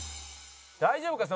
大丈夫か？